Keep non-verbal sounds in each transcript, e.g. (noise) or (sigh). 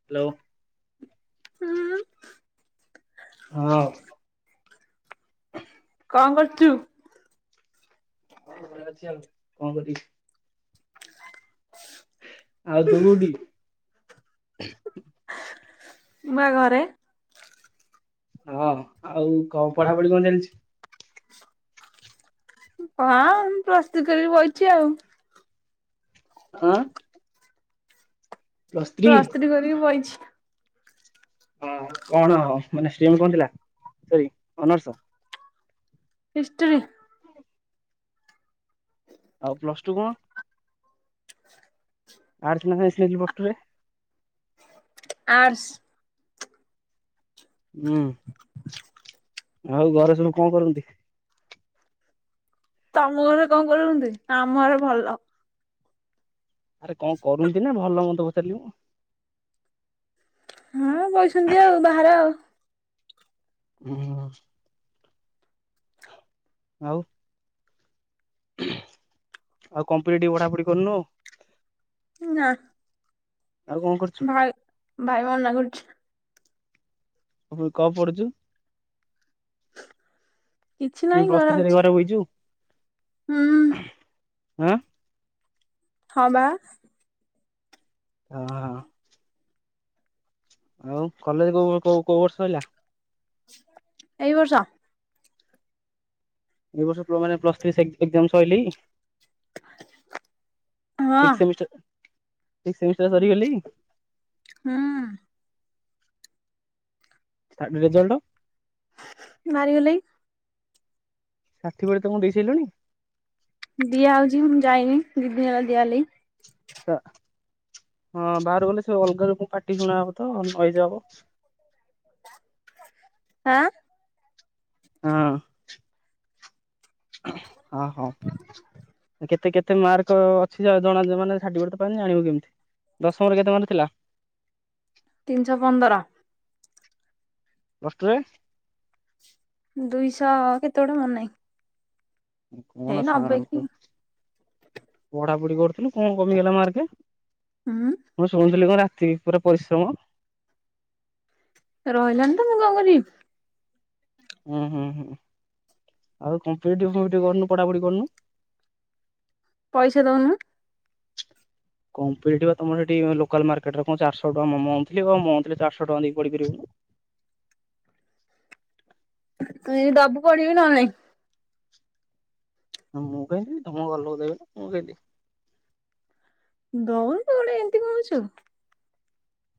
Hello. ହୁଁ ହଁ। କଣ କରୁଛୁ? ହ, ଘରେ ଅଛି ଆଉ କଣ କରିବି? ଆଉ ତୁ କୋଉଠି? ମୁଁ ବା ଘରେ। ହଁ, ଆଉ କ ପଢାପଢି କଣ ଚାଲିଛି? ହଁ, ପ୍ଲସ ଥ୍ରି କରିକି ବଇଚି ଆଉ। ହଁ। ପ୍ଲସ୍ ଥ୍ରୀ ପ୍ଲସ ଥ୍ରି କରିକି ବଇଚି। ହଁ, କଣ ମାନେ? ଷ୍ଟ୍ରିମ୍ କଣ ଥିଲା? Sorry, honours? ହିଷ୍ଟ୍ରି। ଆଉ ପ୍ଲସ ଟୁ କଣ? ଆର୍ଟ୍ସ ନା ସାଇନ୍ସ ନେଲୁ ପ୍ଲସ ଟୁ ରେ? ଆର୍ଟ୍ସ। ହୁଁ, ଆଉ ଘରେ ସବୁ କଣ କରନ୍ତି? ତମ ଘରେ କଣ କରୁଛନ୍ତି? ଆମ ଘରେ ଭଲ। ଆରେ କଣ କରୁଛନ୍ତି ନା ଭଲମନ୍ଦ ପଚାରିଲି ମୁଁ? ହଁ, ବହିଛନ୍ତି ଆଉ ବାହାରେ ଆଉ। ହୁଁ ଆଉ। ଆଉ କମ ପି ଟି ପି ପଢାପଢି କରୁନୁ ଆଉ ନା। ଆଉ କଣ କରୁଛୁ ଭାଇ ଭାଇ ମନା କରୁଛି। ଆଉ କଣ ପଡୁଚୁ? କିଛି ନାହିଁ ପ୍ଲସ ଥ୍ରି ଅଛି ସାରିକି ଘରେ ବଇଛୁ। ହୁଁ। ହଁ। ହଁ, ବା। ହଁ। ଆଉ କଲେଜ କୋ କୋଉ କୋଉ ବର୍ଷ ସରିଲା? ଏଇ ବର୍ଷ। ଏଇ ବର୍ଷ କୋଉମାନଙ୍କର ପ୍ଲସ ଥ୍ରି ସିକ୍ସଥ ଏକ୍ସାମ ସରିଲା କି? ହଁ ସିକ୍ସ ସେମିଷ୍ଟର ସିକ୍ସ ସେମିଷ୍ଟର ସରିଗଲାଣି। ହୁଁ। Third result? ବାହାରିଗଲାଣି। ସାର୍ଥିଫିକେଟ ତମକୁ ଦେଇସାରିଲଣି? ଦିଆ ହଉଛି। ମୁଁ ଯାଇନି। ଦି ଦିନ ହେଲା ଦିଆ ହେଲାଣି। ହଁ, ବାହାରକୁ ଗଲେ ସେ ଅଲଗା ଲୋକଙ୍କୁ ପାଟି ଶୁଣା ହବ ତ ନଇଯ ହବ। ଆଁ। ହଁ। ହଁ, ହଁ, କେତେ କେ? କେତେ ମାର୍କ ଅଛି ଜଣା- ଜ-ମାନେ? ସାର୍ଟିଫିକେଟ୍ ତ ପାଇନି ଜାଣିବ କେମିତି? ଦଶମରେ କେତେ ମାର୍କ ଥିଲା? ତିନିଶହ ପନ୍ଦର। ପ୍ଲସ ଟୁ ରେ? ଦୁଇଶହ କେତେ ଗୋଟେ ମନେ ନାହିଁ। ହେଇ କଣ ସା- ନବେ କି ଙ୍କ ପଢାପଢି କରଥିଲୁ। କଣ କମି ଗଲା ମାର୍କେ? ହୁଁ। ମୁଁ ଶୁଣୁଥିଲି କଣ ରାତିକି ପୁରା ପରିଶ୍ରମ। ରହିଲାନି ତ ମୁଁ କଣ କରିବି? ହୁଁ, ହୁଁ, ହୁଁ, ଆଉ କମ୍ପିଟିପି ଫମ୍ପିଟିପି କରୁନୁ। ପଢ଼ାପଢ଼ି କରୁନୁ। ପଇସା ଦଉନୁ। କମ୍ପିଟିପି ତମର ସେଠି ଲୋକାଲ ମାର୍କେଟ ରେ କଣ ଚାରିଶହ ଟଙ୍କା ମ-ମ-ମନ୍ଥଲି। ମନ୍ଥଲି ଚାରଶହ ଟଙ୍କା ଦେଇକି ପଢ଼ି ପାରିବୁନୁ? ତୁ ଜଦି ଦବୁ ପଢ଼ିବି ନହେଲେ ନାହିଁ। ମୁଁ କାଇଁଦେବି ତମ ଘରଲୋକ ଦେବେନି, ମୁଁ କାଇଁ ଦେବି। ଦଉନ ତୁ ଗୋଟେ ଏମିତି କହୁଛୁ?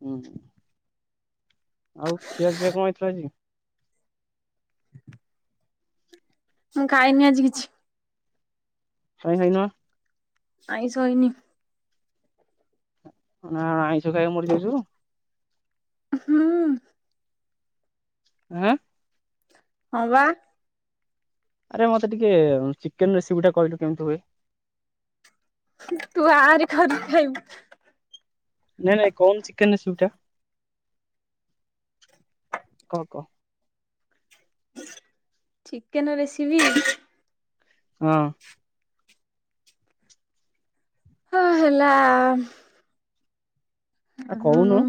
ହୁଁ ଆଉ ଖିଆ ପିଆ କଣ ହେଇଥିଲା ଆଜି? ମୁଁ ଖାଇନି ଆଜି କିଛି। କାହିଁ ଖାଈନୁ? ଆଇଁସ ହେଈନି। ନା ଆଇଁଷ ଖାଇବାକୁ ମରି ଯାଉଛୁ? ହୁଁ। ହାଁ। ହଁ ବା। ଆରେ ମତେ ଟିକେ ଚିକେନ ରେସିପି ଟା କହିଲୁ କେମିତି ହୁଏ? ତୁ ଆ ଭାରି କରିକି ଖାଇବୁ? ନାଇଁ ନାଇଁ କଉନୁ ଚିକେନ୍ ରେସିପିଟା କ କହ? ଚିକେନ ରେସିପି ହଁ। ହଁ ହେଲା। ଆ ହମ କହୁନୁ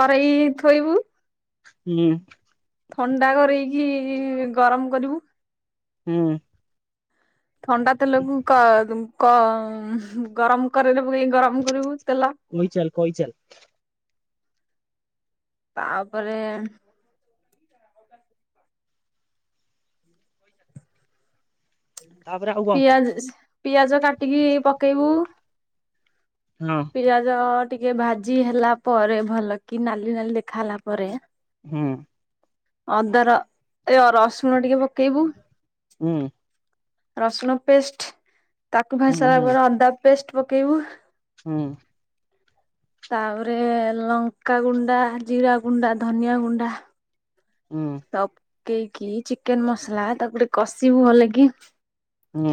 କରେଇ ଥୋଇବୁ। ହୁଁ। ଥଣ୍ଡା କରେଇକି ଗରମ କରିବୁ। ହୁଁ। ଥଣ୍ଡା ତେଲକୁ କ କ ଗରମ କରେଇରେ ପକେଇକି ଗରମ କରିବୁ ତେଲ। କହି ଚାଲ କହି ଚାଲେ। ତାପରେ ତାପରେ ଆଉ କଣ ପିଆଜ ପିଆଜ କାଟିକି ପକେଇବୁ। ହଁ। ପିଆଜ ଟିକେ ଭାଜି ହେଲା ପରେ ଭଲ କି ନାଲି ନାଲି ଦେଖା ହେଲା ପରେ ହୁଁ। ଅଦାର ଏ ରସୁଣ ଟିକେ ପକେଇବୁ। ହୁଁ। ରସୁଣ ପେଷ୍ଟ ତାକୁ ଭାଜି ହୁଁ ସାଇଲା ହୁଁ ପରେ ଅଦା ପେଷ୍ଟ ପକେଇବୁ। ହୁଁ। ତାପରେ ଲଙ୍କା ଗୁଣ୍ଡା, ଜିରା ଗୁଣ୍ଡା, ଧନିଆ ଗୁଣ୍ଡା ହୁଁ। ତପ କେଇକି ଚିକେନ ମସଲା ତାକୁ ଗଟେ କଷିବୁ ଭଲେକି। ହୁଁ।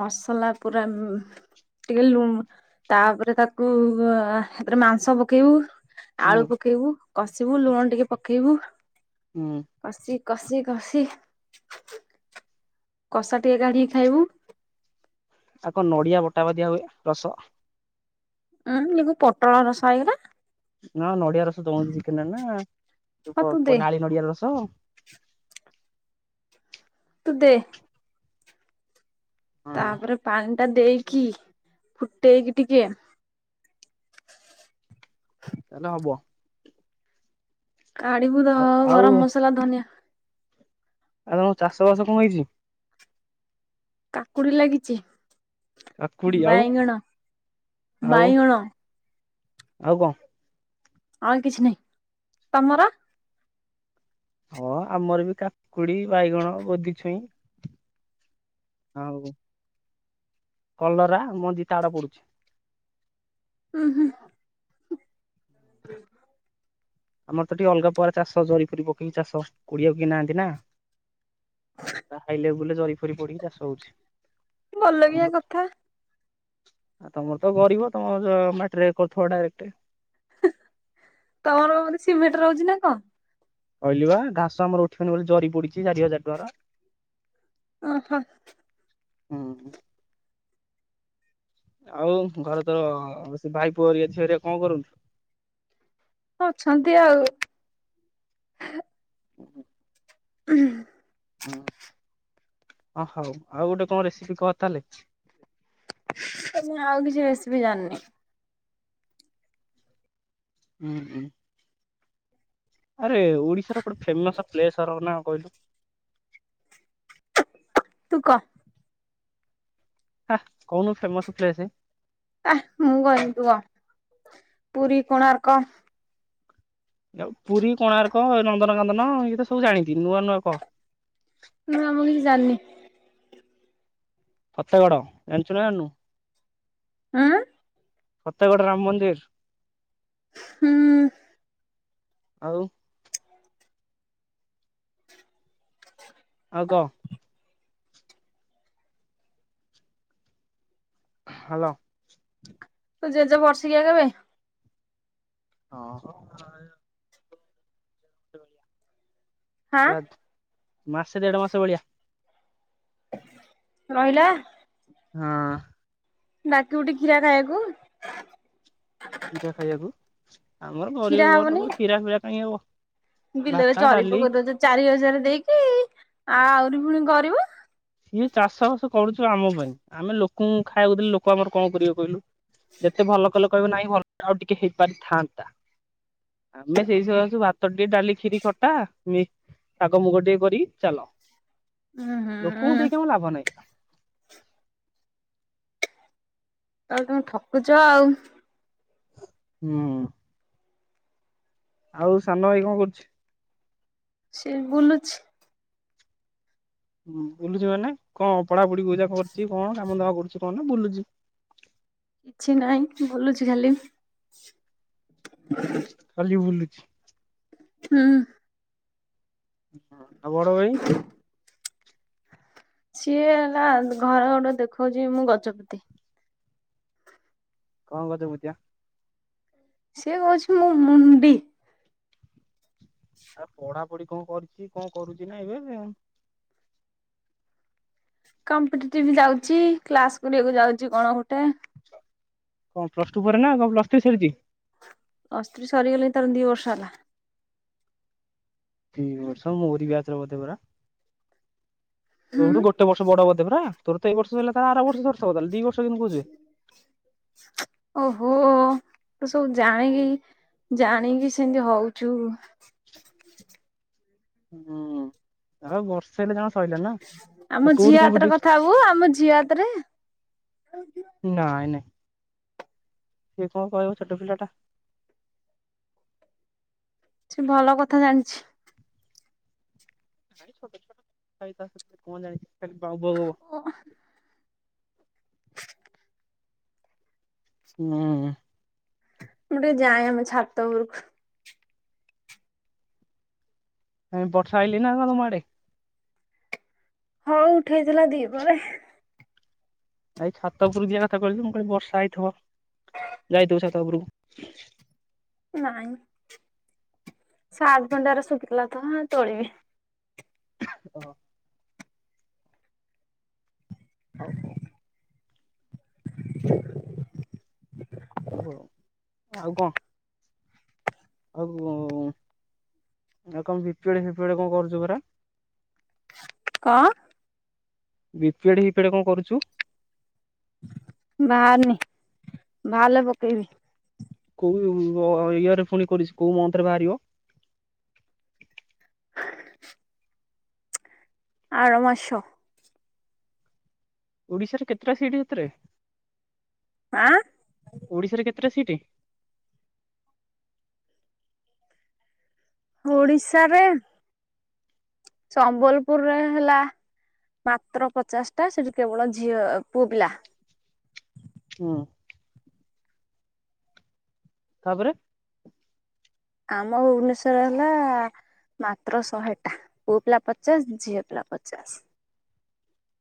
ମସଲା ପୁରା ଟିକେ ଲୁଣ ତାପରେ ତାକୁ ହେଥିରେ ମାଂସ ପକେଇବୁ। ହୁଁ ଆଳୁ ପକେଇବୁ କଷିବୁ ଲୁଣ ଟିକେ ପକେଇବୁ। ହୁଁ। କସି କସି କସି କଷା ଟିକେ କାଢ଼ିକି ଖାଇବୁ। ଆଉ କଣ ନଡ଼ିଆ ବଟା ପା ଦିଆହୁଏ ରସ? ଉୁଁ ଏ କଣ ପୋଟଳ ରସା ହେଇଗଲା? ନ ନଡ଼ିଆ ରସ ଦୋଅନ୍ତି ଚିକେନରେ ନା ହଁ ପ ତୁ ଦେ ପ ନାଳି ନଡ଼ିଆ ରସ। ତୁ ଦେ। ତାପରେ ପାଣିଟା ଦେଇକି ଫୁଟେଇକି ଟିକିଏ ତାଏଲେ ହବ। କାଡ଼ିବୁ ଧ ଆଉ ଆଉ ଗରମ ମସଲା ଧନିଆ ଆଉ ତମ ଚାଷବାସ କଣ ହେଇଚି? କାକୁଡ଼ି ଲାଗିଚି କାକୁଡି ଆଉ ବାଇଗଣ ଆଉ ବାଇଗଣ। ଆଉ କଁ? ଆଉ କିଛି ନାହିଁ ତମର? ହଁ ଆମର ବି କାକୁଡ଼ି ବାଇଗଣ ଗୋଧି ଛୁଇଁ। ଆଉ କଲରା ମଞ୍ଜି ତାଡ଼ ପଡ଼ୁଛି। ଉଁ ହୁଁ। ଆମର ତ ଟିକେ ଅଲଗା ପ୍ରକାର ଚାଷ ଜରି ପରୀ ପକେଇକି ଚାଷ କୋଡ଼ିଆକୁ କେଇ ନାହାନ୍ତି ନା। ରା ହାଇଲେବୁଲରେ ଜରି ଫରି ପଡ଼ିକି ଚାଷ ହୋଉଛି। ଭଲ ଲାଗିବା କଥା। ଆ ତମର ତ ଗରିବ ତମର ମାଟିରେ କରୁଥୁବ ଡାଇରେକ୍ଟ। ତମର ବେଧେ ସିମେଣ୍ଟରେ ହୋଉଚି ନା କଣ? କହିଲି ବା ଘାସ ଆମର ଉଠିବନି ବୋଲି ଜରି ପଡିଚି ଚାରି ହଜାର ଟଙ୍କାର। ଓ ହୋ। ଉଁ ହୁଁ। ଆଉ ଘରେ ତୋର ଭାଇ ପୁଅ ହେରିକା ଝିଅ ହେରିକା କଣ କରନ୍ତି? ଅଛନ୍ତି ଆଉ। ହଁ ହଉ ଆଉ ଗୋଟେ କଣ ରେସିପି କହ ତାହେଲେ? ତ ମୁଁ ଆଉ କିଛି ରେସିପି ଜାଣିନେହିଁ। ଉଁ ହୁଁ। ଆରେ ଓଡିଶାର ଗୋଟେ ଫେମସ୍ ପ୍ଲେସର ନା କହିଲୁ? ତୁ କ? ହା କହୁନୁ ଫେମସ୍ ପ୍ଲେସେ। ଆ ମୁଁ କହିମିନି ତୁ କ ପୁରୀ କୋଣାର୍କ। ଆଉ ପୁରୀ କୋଣାର୍କ ନନ୍ଦନ କାନନ ଇଏତ ସବୁ ଜାଣିଚି ନୂଆ ନୂଆ କହ। ନୂଆ ମୁଁ କିଛି ଜାଣିନେହିଁ। ପଛଗଡ଼ ଜାଣିଚୁ ନା ଜାଣିନୁ? ହୁଁ। ପତେଗଡ଼ ରାମ ମନ୍ଦିରି। ହୁଁ। ଆଉ। ଆଉ କ। ହାଲୋ। ତୋ ଜେଜେ ବର୍ଷିକିଆ କେବେ? ଓହୋ। ହାଁ ମାସେ ଦେଢ ମାସେ ଭଳିଆ। ରହିଲା। ହୁଁ। ଡାକିଵୁଟି କ୍ଷୀରା ଖାଇବାକୁ। କ୍ଷୀରା ଖାଇବାକୁ ଆମର ଗରିବ କ୍ଷୀରା ଘର ହବନି ଲୋକ କ୍ଷୀରା ଫିରା କାହିଁ ହବ। ବିଲରେ ଭାତ ଜରି ଡାଲି ପକେଇ ଦେଉଚ ଚାରି ହଜାରେ ଦେଇକି ଆହୁରି ପୁଣି ଗରିବ। ଇଏ ଚାଷ ବାସ କରୁଚୁ ଆମ ପାଇଁ ଆମେ ଲୋକଙ୍କୁ ଖାଇବାକୁ ଦେଲେ ଲୋକ ଆମର କଣ କରିବେ କହିଲୁ? ଯେତେ ଭଲ କଲେ କହିବେ ନାହିଁ ଭଲ ଆଉ ଟିକେ ହେଇପାରିଥାନ୍ତା। ଆମେ ସେଇସକାସୁ ଭାତ ଟିକେ ଡାଲି ଖୀରି ଖଟା ମି ଶାଗ ମୁଗ ଟିକେ କରି ଚାଲ। ଉୁଁ ହୁଁ ଲୋକଙ୍କୁ ଦେଇକି ଆମର ଲାଭ ନାହିଁ। ତାହେଲେ ତମେ ଠକୁଚ ଆଉ। ହୁଁ। ଆଉ ସାନ ଭାଇ କଣ କରୁଚି? ସିଏ ବୁଲୁଛି। ହୁଁ ବୁଲୁଚଚ ମାନେ କଣ ପଢାପଢି କୋଉଯାଏ କରିଚି କଣ କାମ ଦାମ କରୁଛି କଣ ବୁଲୁଚି? କିଛି ନାହିଁ ବୁଲୁଚି ଖାଲି। ଖାଲି ବୁଲୁଚି। ହୁଁ। ଆଉ ବଡ଼ଭାଇ? (inaudible) ସିଏ ହେଲା ଘରେ ଗୋଟେ ଦେଖଉଛି ମୁଁ ଗଜପତି। କଣ ଗଜପତିବା? ସିଏ କହୁଛି ମୁଁ ମୁଣ୍ଡି। ଆରେ ପଢାପଢି କଣ କରିଛି କଣ କରୁଛି ନା ଏବେ ଏ? କମ୍ପିଟିଟିଭ ଯାଉଛି କ୍ଲାସ କରିବାକୁ ଯାଉଛି କଣ ଗୋଟେ? କଣ ପ୍ଲସ ଟୁ ପରେ ନା କଣ ପ୍ଲସ ଥ୍ରୀ ସରିଛି? ପ୍ଲସ ଥ୍ରଇ ସରିଗଲାଣି ତାର ଦି ବର୍ଷ ହେଲା। ଦି ବର୍ଷ ମୋରି ବ୍ୟାଚର ବୋଧେ ପରା। ତୋଠୁ ହୁଁ ଗୋଟେ ବର୍ଷ ବଡ଼ ବୋଧେ ପରା ତୋର ତ ଏଇ ବର୍ଷ ସରିଲା ତାର ଆର ବର୍ଷ ସରିଥିବ ତାହେଲେ ଦି ବର୍ଷ କେମିତି କହୁଚୁ? ଓହୋ ତୁ ସବୁ ଜାଣିକି ଜାଣିକି ସେମିତି ହଉଛୁ। ହୁଁ ଆଉ ବର୍ଷେ ହେଲେ ଜଣ ଆମ ଝିଅ ହାତରେ କଥା ହବୁ ଆମ ଝିଅ ହାତରେ ନାଇଁ ନାଇଁ। ସିଏ କଣ କହିବ ଛୋଟ ପିଲାଟା। ସିଏ ଭଲ କଥା ଜାଣିଛି। ସିଏ କଣ ଜାଣିଛି ଖାଲି ବାଉ ବାଉ ହବ? ଉଁ ହୁଁ। ହୁଁ ହୁଁ। ମୁଁ ଟିକେ ଯାଏ ଆମ ଛାତ ଉପରକୁ? ବର୍ଷା ଆଇଲି ନା କଣ ତମ ଆଡ଼େ? ହଉ ଉଠେଇଥିଲା ଦି ପହରେ। ଏଇ ଛାତ ଉପରକୁ ଯିବା କଥା କହିଲୁ ତ ମୁଁ କହିଲି ବର୍ଷା ହେଇଥିବ ଯାଇଥିବୁ ଛାତ ଉପରକୁ? ନାଇଁ ସାର୍ଟ ପ୍ୟାଣ୍ଟ୍ ଗୁରା ଶୁଖୁଥିଲା ତ ତୋଳିବି। ଓହୋ ହଉ ହଉ। ହଉ ଆଉ ଆଉ କଣ? ଆଉ ଉଁ। ଆଉ କଣ ବିପଳି ଫିପଳି କଣ କରୁଚୁ ପରା? କଣ? ବିପେଡ୍ ହିପେଡ୍ କଣ କରୁଛୁ? ବାହାରିନି ବାହାରିଲେ ପକେଇବି। କୋଉ ଇୟର୍ରେ ପୁଣି କରିଛି କୋଉ ମନ୍ଥ ରେ ବାହାରିବ? ଆର ମାସ। ଓଡିଶାରେ କେତେଟା ସିଟ୍ ସେଥିରେ? ଆଁ ଓଡ଼ିଶାରେ କେତେଟା ସିଟ୍? ଓଡ଼ିଶାରେ ସମ୍ବଲପୁରରେ ହେଲା ମାତ୍ର ପଚାଶଟା ସେଠି କେବଳ ଝିଅ ପୁଅ ପିଲା। ହୁଁ। ତାପରେ ଆମ ଭୁବନେଶ୍ଵରରେ ହେଲା ମାତ୍ର ଶହେଟା ପୁଅ ପିଲା ପଚାଶ ଝିଅ ପିଲା ପଚାଶ।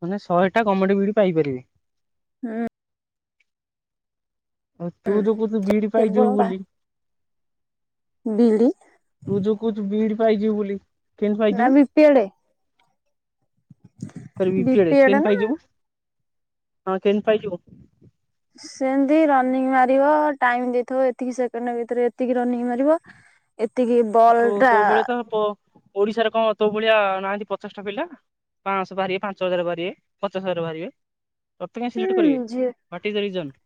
ମାନେ ଶହେଟା କମେଡି ବି ଡି ପାଇପାରିବେ? ହୁଁ। ଆଉ ତୁ ଯୋଉ କହୁଛୁ ବି ଡି କେବଳ ପାଇଯିବୁ ବୋଲି ବି ଡି ତୁ ଯୋଉ କହୁଛୁ ବି ଡି ପାଇଯିବୁ ବୋଲି କେନ୍ତି ନା ପାଇଯିବୁ ବିପିଏଡେ ଆରେ ମିଛେରେ ବିପିଏଡ କେନ୍ତି ନା ପାଇଯିବୁ? ହଁ କେନ୍ତି ପାଇ ଯିବୁ? ସେମିତି ରନିଙ୍ଗ୍ ମାରିବ ଟାଇମ୍ ଦେଇଥିବ ଏତିକି ସେକେଣ୍ଡ ଭିତରେ ଏତିକି ରନିଙ୍ଗ୍ ମାରିବ। ହଁ ଏତିକି ବ ଆଉ ତୋ ତୋ ଭଳିଆ ତ ଓ ଓଡିଶାରେ କଣ ତୋ ଭଳିଆ ନାହାନ୍ତି ପଚାଶ ଟା ପିଲା? ପାଁଶହ ବାହାରିବେ ପାଞ୍ଚ ହଜାର ବାହାରିବେ ପଚାଶ ହଜାର ବାହାରିବେ। ତତେ କାଇଁ ସିଲେକ୍ଟ କରିବେ ଝିଅ ହ୍ୱଟ୍ ଇଜ୍ ଦ ସିଜନ୍?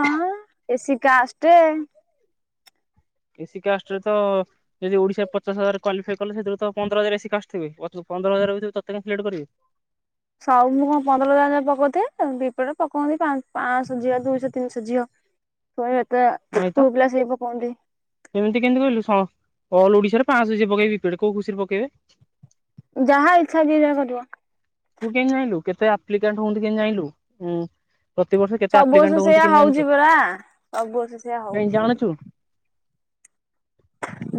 ଆଁ ଏ ସିି କାଷ୍ଟେ। ଏ ସି କାଷ୍ଟରେ ତ ଯେଦି ଓଡିଶାରେ ପଚାଶ ହଜାର କ୍ୱାଲିଫାଇ କଲେ ସେଥିରୁ ତ ପନ୍ଦର ହଜାର ଏ ସି କାଷ୍ଟ୍ ଥିବେ ପଚ ପନ୍ଦର ହଜାର ଭିତରୁ ତତେ କାଇଁ ସିଲେକ୍ଟ୍ କରିବେ? ସବୁ ଦିନ କଁ ପନ୍ଦର ହଜାର ନେଖା ପକଉଥିବେ ଦି ପଟେ ପକଉଛନ୍ତି ପାଁ ପାଁଶହ ଝିଅ ଦୁଇଶହ ତିନିଶହ ଝିଅ। ହ ତୋର ଏତେ ପୁଅ ପିଲା ଆସିକି ଗପନ୍ତି। ସେମିତି କେମିତି ଗଲୁ ସ ଅଲ୍ ଓଡିଶାରେ ପାଁଶହ ଯିଏ ପକେଇବେ ୱିକେଟ୍ କୋଉ ଖୁସିରେ ପକେଇବେ? ଯାହା ଇଚ୍ଛା ଯିଏ ଯାହା କରିବ। ତୁ କେନ୍ତି ଜାଇଁଲୁ କେତେ ଆପ୍ଲିକାଣ୍ଟ ହୁଅନ୍ତି କେନ୍ତି ଜାଇଁଲୁ ଉଁ ପ୍ରତିବର୍ଷ କେତେ ସବୁ ବର୍ଷ ଆପ୍ଲିକାଣ୍ଟ ହୁଅନ୍ତି ସେଇଆ କେନ୍ତି ହଉଛି ଜାଣୁଛୁ ପରା ସବୁ ବର୍ଷ ସେଇଆ କେନ୍ତି ହଉଛି। ଜାଣୁଛୁ?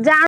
ଜା